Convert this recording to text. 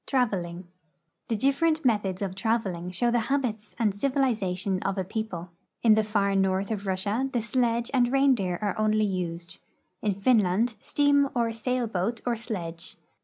TRAVELING. The different methods of traveling show the habits and civiliza tion of a people. In the far north of Russia the sledge and tlie reindeer are only used ; in Finland, steam or sail lioat or sledge.